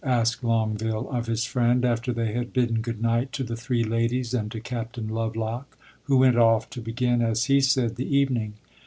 asked Longueville of his friend, after they had bidden good night to the three ladies and to Captain Lovelock, who went off to begin, as he said, the evening.